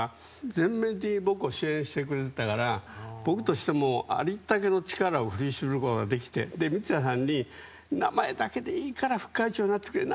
全面的に僕を支援してくれてたから僕としても、ありったけの力を振り絞ることができて三屋さんに名前だけでいいから副会長になってくれって。